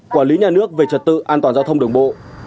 quản lý nhà nước về trật tự an toàn giao thông đường bộ